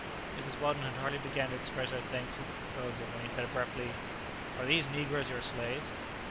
Mrs. Weldon had hardly begun to express her thanks for the proposal when he said abruptly, "Are these negroes your slaves?"